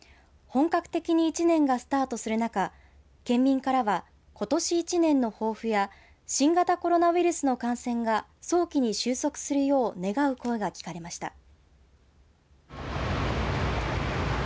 本格的に１年がスタートする中県民からは、ことし１年の抱負や新型コロナウイルスの感染が早期に収束するよう願う声が聞かれました。